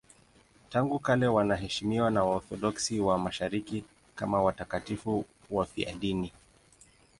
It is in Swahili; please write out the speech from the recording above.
Tangu kale wanaheshimiwa na Waorthodoksi wa Mashariki kama watakatifu wafiadini.